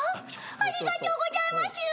ありがとうございましゅ。